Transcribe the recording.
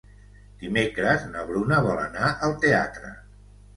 Dimecres na Bruna vol anar al teatre.